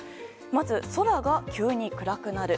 まず、空が急に暗くなる。